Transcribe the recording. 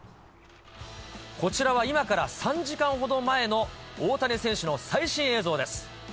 こちらは今から３時間ほど前の大谷選手の最新映像です。